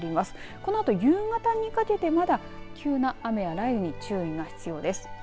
このあと夕方にかけてまだ急な雨や雷雨に注意が必要です。